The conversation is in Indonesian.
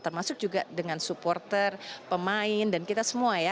termasuk juga dengan supporter pemain dan kita semua ya